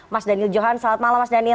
mas daniel johan selamat malam mas daniel